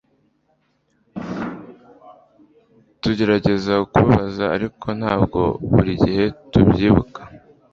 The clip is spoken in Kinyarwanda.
turagerageza kubabaza, ariko ntabwo buri gihe tubyibuka